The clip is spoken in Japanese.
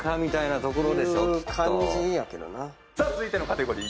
続いてのカテゴリー